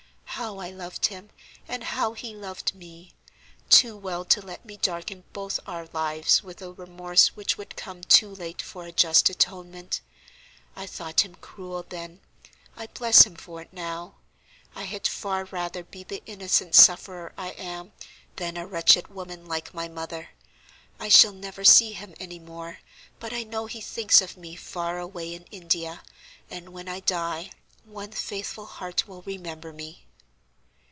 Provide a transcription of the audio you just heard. "How I loved him, and how he loved me! Too well to let me darken both our lives with a remorse which would come too late for a just atonement. I thought him cruel then,—I bless him for it now. I had far rather be the innocent sufferer I am, than a wretched woman like my mother. I shall never see him any more, but I know he thinks of me far away in India, and when I die one faithful heart will remember me."